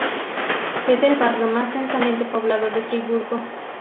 Es el barrio más densamente poblado de Friburgo.